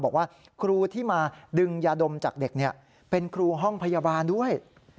บอกว่าครูที่มาดึงยาดมจากเด็กเป็นครูห้องพยาบาลด้วย